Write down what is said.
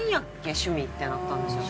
趣味ってなったんですよ。